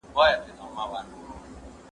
ليکنه وکړه!!